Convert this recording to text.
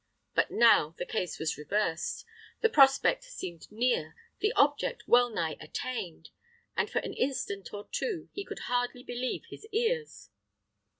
But now the case was reversed; the prospect seemed near, the object well nigh attained, and for an instant or two he could hardly believe his ears.